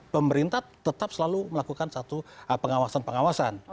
pemerintah tetap selalu melakukan satu pengawasan pengawasan